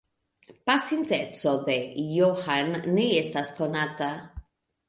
Pasinteco de Johan ne estas konata.